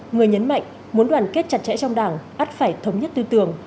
người nhấn mạnh muốn đoàn kết chặt chẽ trong đảng bắt phải thống nhất tư tưởng